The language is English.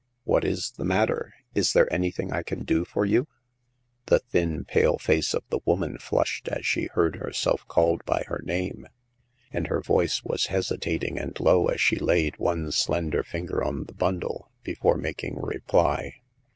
" What is the matter ? Is there anything that I can do for you ?'' The thin pale face of the woman flushed as she heard herself called by her name; and her voice was hesitating and low as she laid one slender finger on the bundle, before making reply.